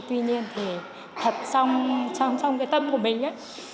tuy nhiên thì thật trong cái tâm của mình